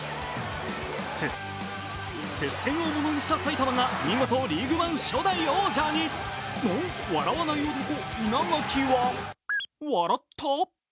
接戦をものにした埼玉が見事ＬＥＡＧＵＥＯＮＥ初代王者に笑わない男・稲垣は笑った？